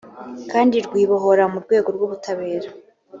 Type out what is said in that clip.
kandi rwibohora mu rwego rw ubutabera